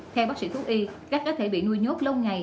theo bác sĩ thuốc y các cá thể bị nuôi nhốt lâu ngày